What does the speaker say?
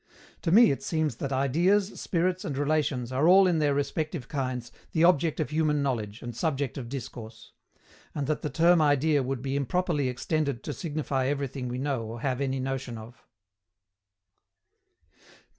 To me it seems that ideas, spirits, and relations are all in their respective kinds the object of human knowledge and subject of discourse; and that the term idea would be improperly extended to signify everything we know or have any notion of. 90.